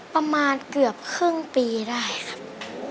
ประมาณเกือบครึ่งปีได้ครับ